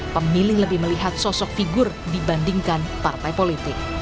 pemilih lebih melihat sosok figur dibandingkan partai politik